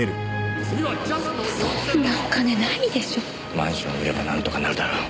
マンション売ればなんとかなるだろ。